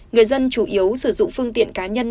người dân chủ yếu sử dụng phương tiện cá nhân